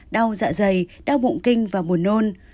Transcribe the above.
đau dạ dày đau bụng kinh và buồn nôn